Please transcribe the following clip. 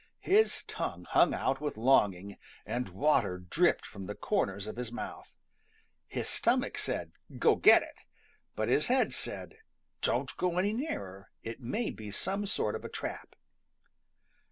His tongue hung out with longing, and water dripped from the corners of his mouth. His stomach said, "Go get it;" but his head said, "Don't go any nearer; it may be some sort of a trap."